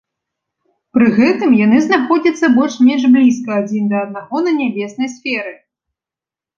Пры гэтым яны знаходзяцца больш-менш блізка адзін да аднаго на нябеснай сферы.